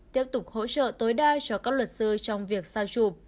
tiếp tục hỗ trợ tối đa cho các luật sư trong việc sao chùm